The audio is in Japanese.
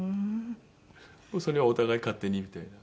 それはお互い勝手にみたいな。